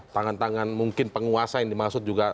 tangan tangan mungkin penguasa yang dimaksud juga